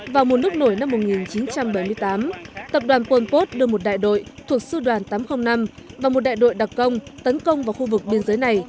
vào mùa nước nổi năm một nghìn chín trăm bảy mươi tám tập đoàn pol pot đưa một đại đội thuộc sư đoàn tám trăm linh năm và một đại đội đặc công tấn công vào khu vực biên giới này